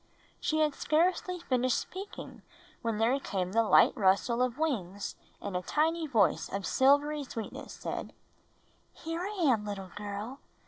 She had scarcely finished speaking when there came the light rustle of wings; and a tiny voice of silvery sweetness said, "Here I am, little girl.